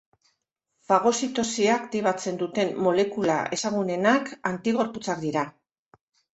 Fagozitosia aktibatzen duten molekula ezagunenak antigorputzak dira.